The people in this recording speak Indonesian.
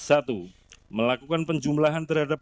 atau teman wanit yang tidak lebih muda